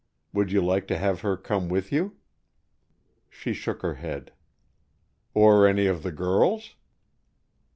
Would you like to have her come with you?" She shook her head. "Or any of the girls?"